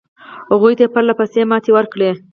هغوی ته یې پرله پسې ماتې ورکړې.